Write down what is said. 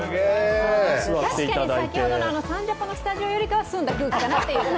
確かにさっきの「サンジャポ」のスタジオよりは澄んだ空気かと。